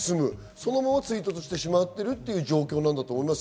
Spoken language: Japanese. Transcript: そのまま追突してしまっているという状況だと思います。